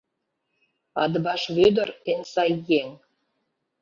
— Атбаш Вӧдыр — эн сай еҥ.